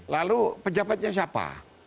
lalu pejabatnya siapa